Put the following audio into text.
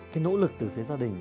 cái nỗ lực từ phía gia đình